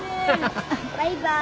バイバイ